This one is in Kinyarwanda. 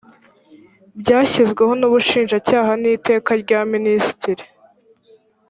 byashyizweho n ubushinjacyaha n iteka rya minisitiri